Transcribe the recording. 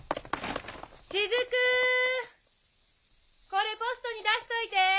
・これポストに出しといて。